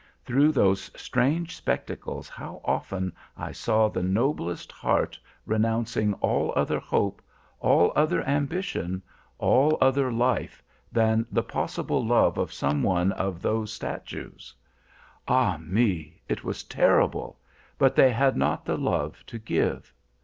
Through those strange spectacles how often I saw the noblest heart renouncing all other hope, all other ambition, all other life, than the possible love of some one of those statues. Ah! me, it was terrible, but they had not the love to give.